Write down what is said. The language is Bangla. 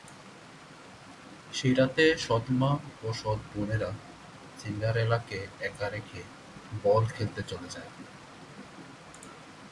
সেই রাতে, সৎমা ও সৎবোনেরা সিন্ডারেলাকে একা রেখে বল খেলতে চলে যায়।